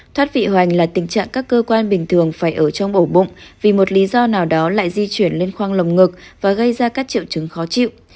thoát vị hoành là tình trạng các cơ quan bình thường phải ở trong ổ bụng vì một lý do nào đó lại di chuyển lên khoang lồng ngực và gây ra các triệu chứng khó chịu